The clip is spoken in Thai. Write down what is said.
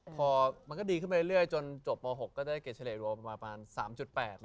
พอมันก็ดีขึ้นไปเรื่อยจนจบม๖ก็ได้เกรดเฉลยโรงประมาณ๓๘อะไรอย่างนี้ครับ